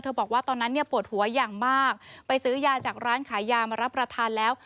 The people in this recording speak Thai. บอกว่าตอนนั้นเนี่ยปวดหัวอย่างมากไปซื้อยาจากร้านขายยามารับประทานแล้ว